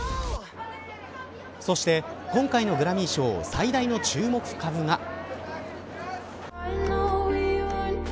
そして今回のグラミー賞最大の注目株が。